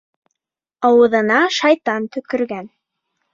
Ауыҙына шайтан төкөргән.